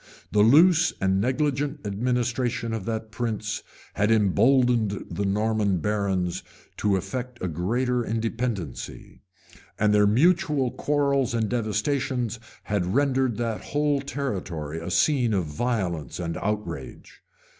The loose and negligent administration of that prince had imboldened the Norman barons to affect a great independency; and their mutual quarrels and devastations had rendered that whole territory a scene of violence and outrage.